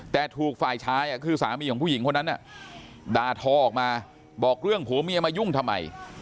แต่ถูกฝ่ายชายคือสามีของผู้หญิงคนนั้นด่าทอออกมาบอกเรื่องผัวเมียมายุ่งทำไม